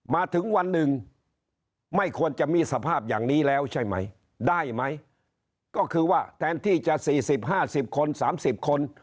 มาถึงวันหนึ่งไม่ควรจะมีสภาพอย่างนี้แล้วใช่ไหมได้ไหมก็คือว่าแทนที่จะ๔๐๕๐คน๓๐คน